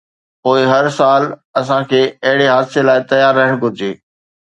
پوءِ هر سال اسان کي اهڙي حادثي لاءِ تيار رهڻ گهرجي.